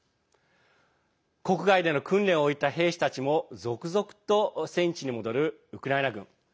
国外での訓練を終えた兵士たちも次々と戦地に戻るウクライナ軍。